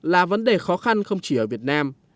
là vấn đề khó khăn không chỉ ở việt nam